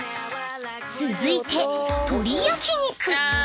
［続いて鶏焼き肉］